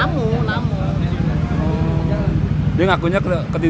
ketiduran pulang pulang mabuk dari rekaman cctv juga